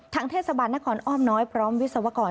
เทศบาลนครอ้อมน้อยพร้อมวิศวกร